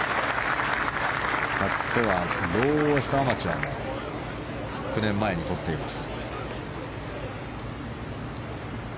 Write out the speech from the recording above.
かつてはローエストアマチュアも９年前に取っています。